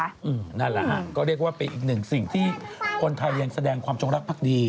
นั่นแหละฮะก็เรียกว่าเป็นอีกหนึ่งสิ่งที่คนไทยยังแสดงความจงรักภักดี